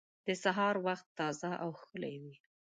د سهار وخت تازه او ښکلی وي.